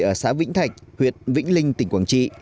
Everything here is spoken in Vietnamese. ở xã vĩnh thạch huyện vĩnh linh tỉnh quảng trị